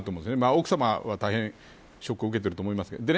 奥さまは、大変ショックを受けていると思いますけど。